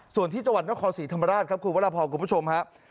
ส่วนที่จังหวัดนครศรีธรรมราชครับคุณวรพรคุณผู้ชมครับ